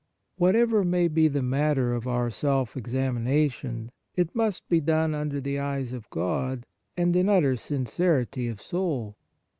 Whatever may be the matter of our self examination, it must be done under the eyes of God, and in utter sincerity of soul.